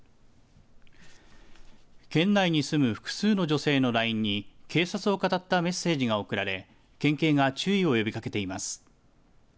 県内に住む複数の女性のＬＩＮＥに警察をかたったメッセージが送られ県警が注意を呼びかけています。